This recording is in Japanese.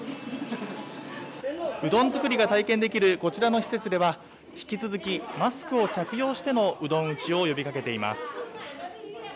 うどん作りが体験できるこちらの施設では、引き続き、マスクを着用してのうどん打ちを呼びかけています。